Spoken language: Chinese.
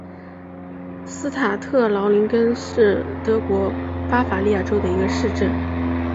施塔特劳林根是德国巴伐利亚州的一个市镇。